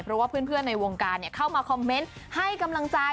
เพราะว่าเพื่อนในวงการเข้ามาคอมเมนต์ให้กำลังใจ